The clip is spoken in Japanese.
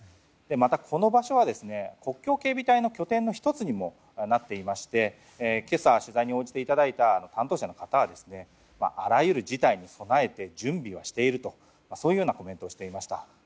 また、この場所は国境警備隊の拠点の１つにもなっていまして今朝、取材に応じていただいた担当者の方はあらゆる事態に備えて準備はしているとそういうコメントをしていました。